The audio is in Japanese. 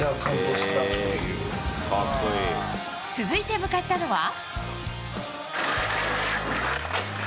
続いて向かったのは。